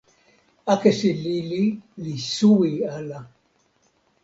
akesi lili li suwi ala.